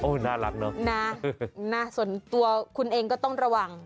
น่ารักเนอะนะส่วนตัวคุณเองก็ต้องระวัง